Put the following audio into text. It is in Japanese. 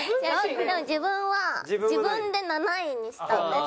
自分は自分で７位にしたんです。